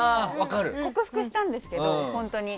克服したんですけど、本当に。